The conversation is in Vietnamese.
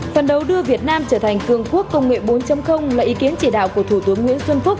phần đấu đưa việt nam trở thành cường quốc công nghệ bốn là ý kiến chỉ đạo của thủ tướng nguyễn xuân phúc